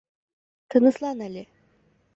— Тыныслан әле.